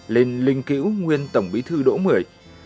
lên linh cữu nguyên tổng bí thư đỗ mười